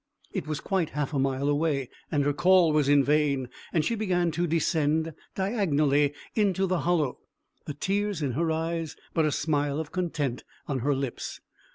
It was quite half a mile away, and her call was in vain, and she began to descend diagonally into the hollow, the tears in her eyes, but a smile of content on her lips.